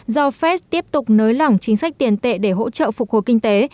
do fed tiếp tục nới lỏng chính sách tiền tệ để hỗ trợ phục hồi kinh tế